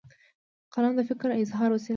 قلم د فکر اظهار وسیله ده.